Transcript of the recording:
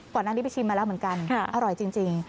ก่อนหน้านี้ไปชิมมาแล้วเหมือนกันอร่อยจริง